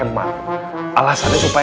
berhemat alasannya supaya